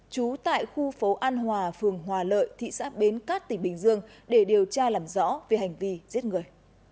trú tại khu phố an hòa phường hòa lợi thị xã bến cát tỉnh bình dương để điều tra làm rõ về hành vi giết người